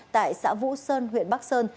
tại xã vũ sơn huyện bắc sơn